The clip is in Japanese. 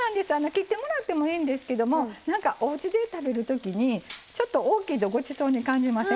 切ってもらってもいいんですけどもおうちで食べるときにちょっと大きいとごちそうに感じません？